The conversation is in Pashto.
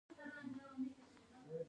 د پروټین دنده په حجره کې څه ده؟